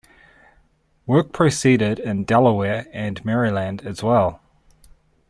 Work proceeded in Delaware and Maryland as well.